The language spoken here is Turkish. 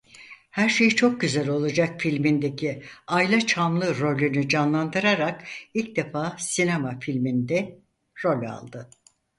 Her Şey Çok Güzel Olacak filmindeki Ayla Çamlı rolünü canlandırarak ilk defa sinema filminde rol aldı.